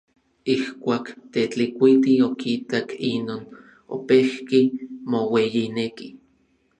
Ijkuak Tetlikuiti okitak inon, opejki moueyineki.